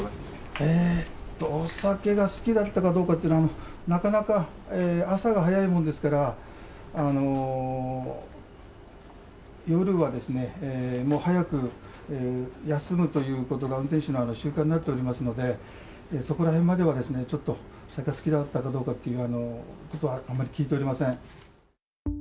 えーと、お酒が好きだったかどうかっていうのは、なかなか朝が早いもんですから、夜はですね、もう早く休むということが、運転手の習慣になっておりますので、そこらへんまではちょっと、酒が好きだったかどうかというのは、あんまり聞いておりません。